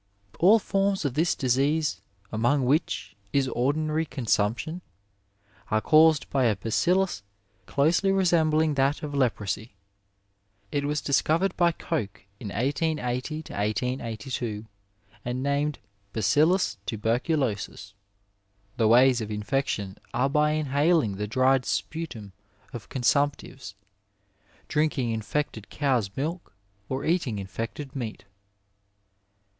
— ^AU forms of this disease, among which is ordinary consumption, are caused by a bacUlus closely resembling that of leprosy. It was discovered by Koch in 1880 82, and named BaoiUus tuberoulosis. The ways of infection are by inhaling the dried sputum of consumptives, drinking infected cow's milk, or eating infected meat.